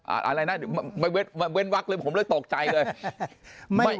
อะไรนะไม่เว้นวักเลยผมเลยตกใจเลย